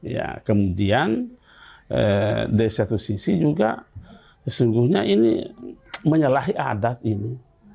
ya kemudian di satu sisi juga sesungguhnya ini menyalahi adat ini